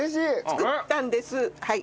作ったんです。